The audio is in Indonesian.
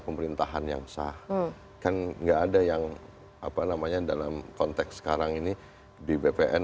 pemerintahan yang sah kan enggak ada yang apa namanya dalam konteks sekarang ini di bpn